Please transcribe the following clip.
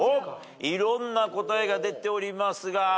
いろんな答えが出ておりますが。